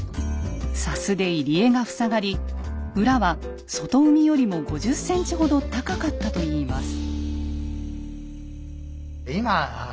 砂州で入り江が塞がり浦は外海よりも５０ｃｍほど高かったといいます。